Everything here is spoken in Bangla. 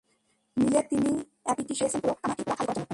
মিলে তিনি একটা পিটিশন করিয়েছেন, পুরো কামাঠিপুরা খালি করার জন্য!